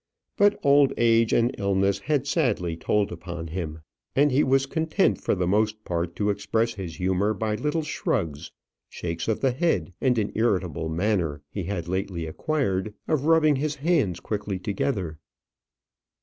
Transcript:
But old age and illness had sadly told upon him; and he was content for the most part to express his humour by little shrugs, shakes of the head, and an irritable manner he had lately acquired of rubbing his hands quickly together.